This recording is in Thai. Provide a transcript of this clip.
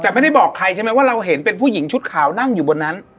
แต่ไม่ได้บอกใครใช่ไหมว่าเราเห็นเป็นผู้หญิงชุดขาวนั่งอยู่บนนั้น